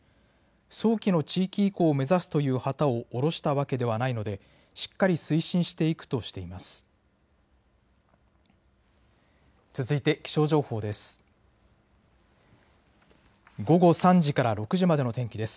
早期の地域移行を目指すという旗を降ろしたわけではないのでしっかり推進していくとしています。